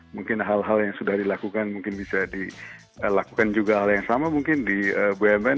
mungkin hal hal yang sudah dilakukan mungkin bisa dilakukan juga hal yang sama mungkin di bumn